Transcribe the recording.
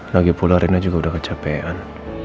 lagipula rina juga udah kecapean